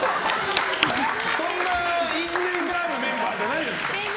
そんな因縁があるメンバーじゃないですから。